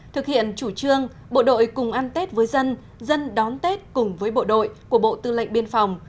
thực hiện chủ trương bộ đội cùng ăn tết với dân dân đón tết cùng với bộ đội của bộ tư lệnh biên phòng